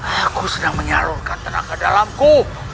aku sedang menyalurkan tenaga dalamku